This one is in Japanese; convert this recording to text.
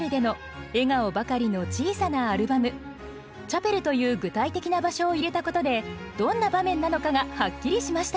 「チャペル」という具体的な場所を入れたことでどんな場面なのかがはっきりしました。